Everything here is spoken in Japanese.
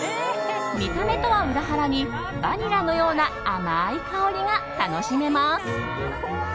見た目とは裏腹にバニラのような甘い香りが楽しめます。